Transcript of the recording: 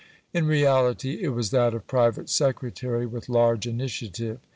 In reality it was that of private secretary, with large initiative.